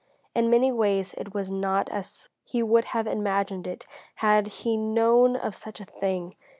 In many ways it was not as he would have imagined it had he known of such a thing.